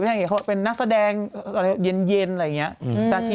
เอาเบรกแล้วเดี๋ยวก่อนถักพี่